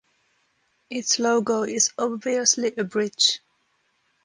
Its logo is obviously a bridge.